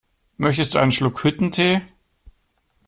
Möchtest du einen Schluck Hüttentee?